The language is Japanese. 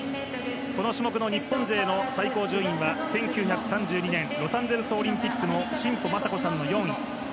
この種目の日本勢の最高順位は、１９３２年ロサンゼルスオリンピックの４位。